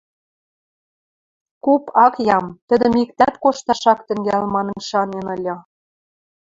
куп ак ям, тӹдӹм иктӓт кошташ ак тӹнгӓл манын шанен ыльы.